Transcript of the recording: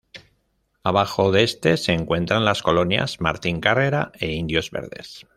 Abajo de este se encuentran las colonias Martín Carrera e Indios Verdes.